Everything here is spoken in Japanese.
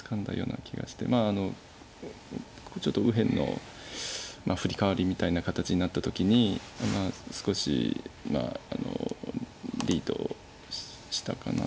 まあ右辺のフリカワリみたいな形になった時にまあ少しリードしたかなと思いましたけど。